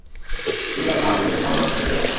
তিনি তৎক্ষণাত নিজেকে সম্রাট হিসাবে ঘোষণা করেন।